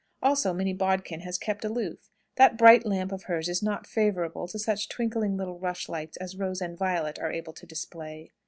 Also Minnie Bodkin has kept aloof. That bright lamp of hers is not favourable to such twinkling little rushlights as Rose and Violet are able to display.